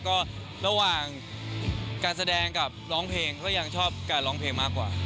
ก็ระหว่างการแสดงกับร้องเพลงก็ยังชอบการร้องเพลงมากกว่า